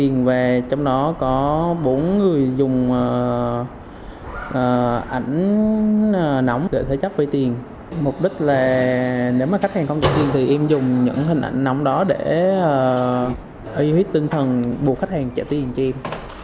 những người dùng ảnh nóng để thế chấp vay tiền mục đích là nếu mà khách hàng không trả tiền thì em dùng những hình ảnh nóng đó để uy huyết tinh thần buộc khách hàng trả tiền cho em